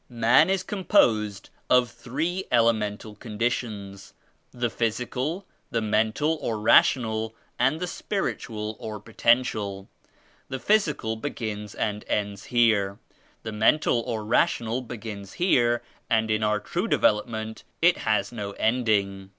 "Man is composed of three elemental condi tions, — the physical, the mental or rational, and the spiritual or potential. The physical begins and ends here, the mental or rational begins here, and in our true development it has no ending.